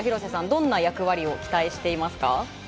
どんな役割を期待していますか？